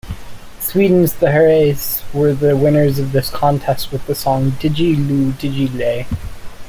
Sweden's the Herreys were the winners of this contest with the song, "Diggi-Loo Diggi-Ley".